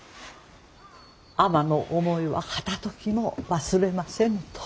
尼の思いは片ときも忘れませぬと。